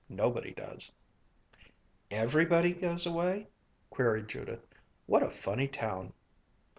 Nobody does." "Everybody goes away?" queried Judith. "What a funny town!"